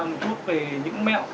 một chút về những mẹo